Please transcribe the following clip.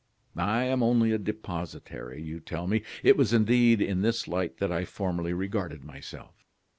"I am only a depositary, you tell me. It was, indeed, in this light that I formerly regarded myself.